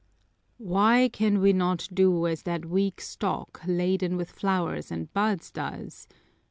"Why can we not do as that weak stalk laden with flowers and buds does?"